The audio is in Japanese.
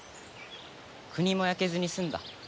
国も焼けずに済んだ。